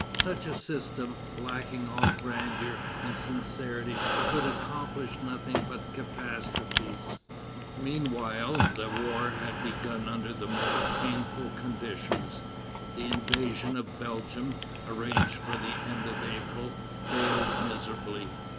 Such a system, lacking all grandeur and sincerity, could accomplish nothing but catastrophes. Meanwhile, the war had begun under the most painful conditions. The invasion of Belgium, arranged for the end of April, failed miserably.